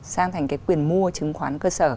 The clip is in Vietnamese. sang thành cái quyền mua chứng khoán cơ sở